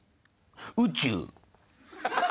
宇宙。